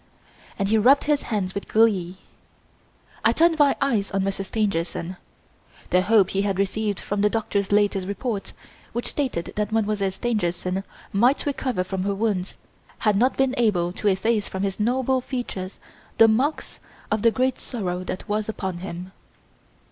And he rubbed his hands with glee. I turned my eyes on Monsieur Stangerson. The hope he had received from the doctor's latest reports, which stated that Mademoiselle Stangerson might recover from her wounds, had not been able to efface from his noble features the marks of the great sorrow that was upon him.